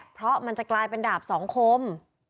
เพราะมันจะกลายเป็นดาบสองคม